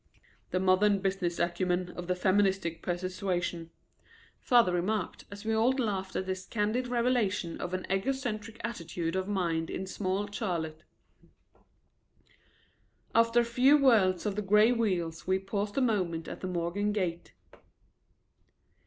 "The modern business acumen of the feministic persuasion," father remarked, as we all laughed at this candid revelation of an egocentric attitude of mind in small Charlotte. After a few whirls of the gray wheels we paused a moment at the Morgan gate.